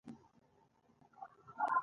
پنځم زوی یې پر ځای کښېنستی.